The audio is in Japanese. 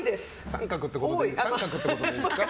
△ってことでいいですか。